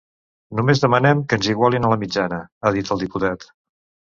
Només demanem que ens igualin a la mitjana, ha dit el diputat.